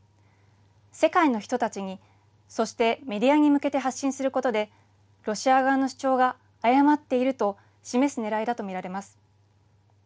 世界の人たちに、そして、メディアに向けて発信することで、ロシア側の主張が誤っていると示すねらいだと見られます。